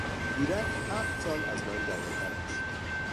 ایرج هفت سال از من جوانتر است.